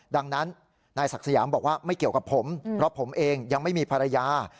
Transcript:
ดังนั้นนายศักดิ์สยามบอกว่าไม่เกี่ยวกับผมเพราะผมเองยังไม่มีภรรยา